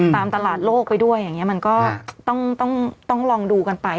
ตามตลาดโลกไปด้วยอย่างนี้มันก็ต้องลองดูกันไป